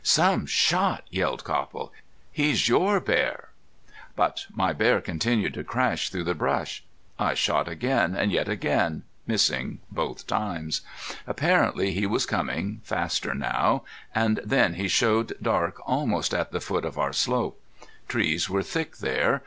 "Some shot!" yelled Copple. "He's your bear!" But my bear continued to crash through the brush. I shot again and yet again, missing both times. Apparently he was coming, faster now and then he showed dark almost at the foot of our slope. Trees were thick there.